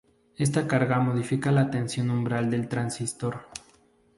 Esta carga modifica la tensión umbral del transistor.